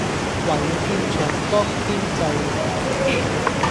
唯見長江天際流